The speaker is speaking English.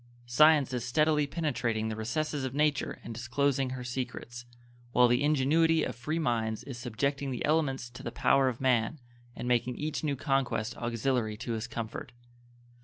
Science is steadily penetrating the recesses of nature and disclosing her secrets, while the ingenuity of free minds is subjecting the elements to the power of man and making each new conquest auxiliary to his comfort.